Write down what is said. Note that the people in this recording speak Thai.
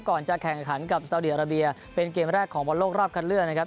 ก่อนจะแข่งขันกับสาวดีอาราเบียเป็นเกมแรกของบอลโลกรอบคันเลือกนะครับ